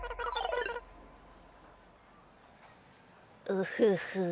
ウフフ。